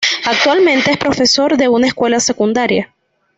Actualmente es profesor de una escuela secundaria.